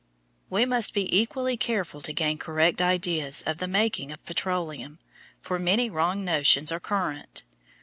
We must be equally careful to gain correct ideas of the making of petroleum, for many wrong notions are current.